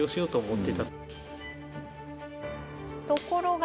ところが。